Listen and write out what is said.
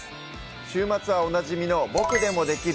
週末はおなじみの「ボクでもできる！